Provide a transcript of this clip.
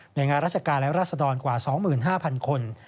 โดยงานราชการและราศดรกว่า๒๕๐๐คน